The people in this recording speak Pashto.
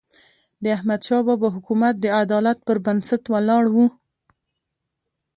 د احمدشاه بابا حکومت د عدالت پر بنسټ ولاړ و.